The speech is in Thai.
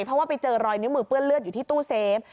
เพราะว่าไปเจอรอยนิ้วมือเปื้อนเลือดอยู่ที่ตู้เซฟ